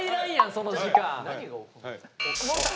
その時間。